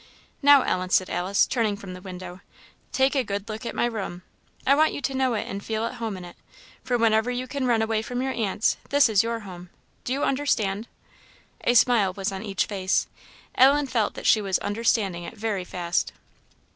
"Now, Ellen," said Alice, turning from the window, "take a good look at my room. I want you to know it and feel at home in it; for whenever you can run away from your aunt's, this is your home do you understand?" A smile was on each face. Ellen felt that she was understanding it very fast.